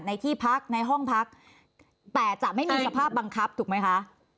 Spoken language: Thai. ที่พักในห้องพักแต่จะไม่มีสภาพบังคับถูกไหมคะ